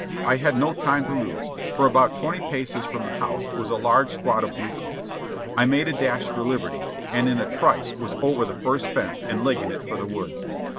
I had no time to lose, for about twenty paces from the house was a large squad of blue coats. I made a dash for liberty, and in a trice was over the first fence and legging it for the woods.